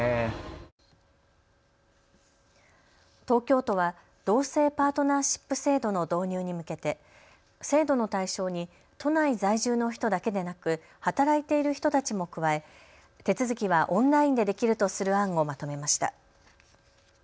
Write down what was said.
東京都は同性パートナーシップ制度の導入に向けて制度の対象に都内在住の人だけでなく、働いている人たちも加え手続きはオンラインでできるとする案をまとめました。